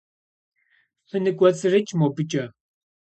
ФыныкӀуэцӀрыкӀ мобыкӀэ.